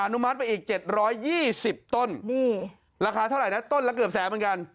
อนุมัติไปอีกเจ็ดร้อยยี่สิบต้นนี่ราคาเท่าไรนะต้นละเกือบแสนเหมือนกัน